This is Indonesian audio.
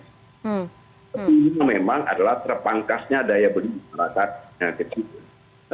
tapi ini memang adalah terpangkasnya daya beli masyarakat kecil